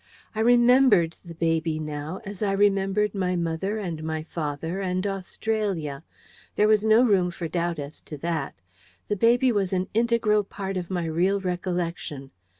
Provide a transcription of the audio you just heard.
I REMEMBERED the baby, now; as I remembered my mother, and my father, and Australia. There was no room for doubt as to that. The baby was an integral part of my real recollection.